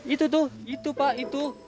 itu tuh itu pak itu